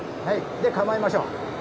で構えましょう。